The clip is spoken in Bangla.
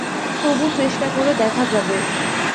তবু চেষ্টা করে দেখা যাবে।